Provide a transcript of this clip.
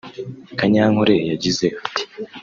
Kanyankore yagize ati